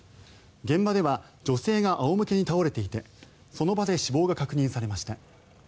現場では女性が仰向けに倒れていてその場で死亡が確認されました。